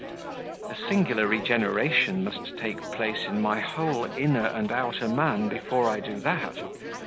"A singular regeneration must take place in my whole inner and outer man before I do that.